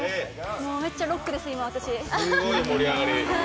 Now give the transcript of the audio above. めっちゃロックです、今、私。